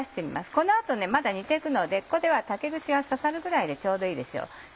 この後まだ煮て行くのでここでは竹串が刺さるぐらいでちょうどいいでしょう。